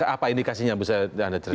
apa indikasinya bisa anda ceritakan